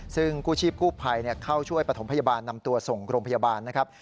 ซึ่งกู้ชีพกู้ภัยเข้าช่วยประถมพยาบาลนำตัวส่งโรงพยาบาลนะครับ